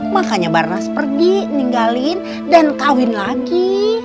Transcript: makanya barnas pergi ninggalin dan kawin lagi